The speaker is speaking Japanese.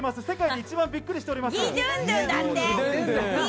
世界で一番びっくりしております。